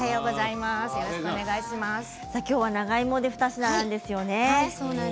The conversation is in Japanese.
きょうは長芋で２品なんですよね。